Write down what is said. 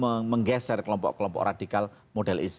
dan itu akan membuatnya lebih besar kelompok kelompok radikal model isis